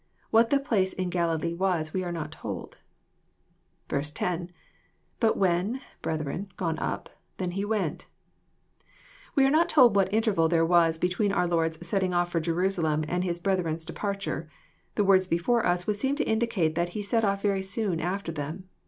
What the place in Galilee was we are not told. 10. — [BtU when.„hrethren,.,gone up, then went he."] We are not told what interval there was between our Lord's setting off for Jerusalem, and His brethren's departure. The words before us would seem to indicate that He set off very soon after them.